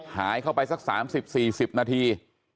หายเข้าไปสัก๓๐๔๐นาที